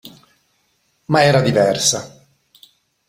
Ma era diversa.